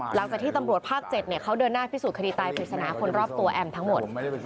หลังจากที่ตำรวจภาค๗เขาเดินหน้าพิสูจนคดีตายปริศนาคนรอบตัวแอมทั้งหมด